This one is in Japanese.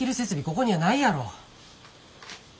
ここにはないやろ。